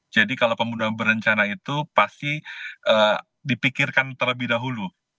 jadi kalau pembunuhan berencana itu pasti dipikirkan terlebih dahulu